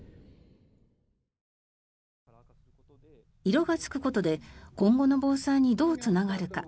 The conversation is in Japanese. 色がつくことで今後の防災にどうつながるか。